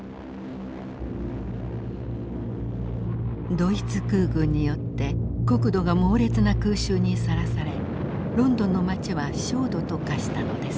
ドイツ空軍によって国土が猛烈な空襲にさらされロンドンの街は焦土と化したのです。